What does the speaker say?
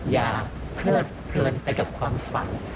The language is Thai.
อย่าเพลินไปกับความฝัน